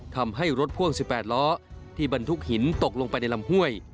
ทำให้รถพ่วง๑๘ล้อที่บรรทุกหินตกลงไปในลำห้วย